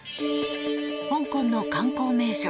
香港の観光名所